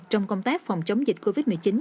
trong công tác phòng chống dịch covid một mươi chín